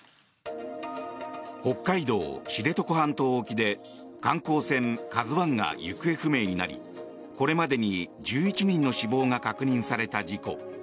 北海道・知床半島沖で観光船「ＫＡＺＵ１」が行方不明になりこれまでに１１人の死亡が確認された事故。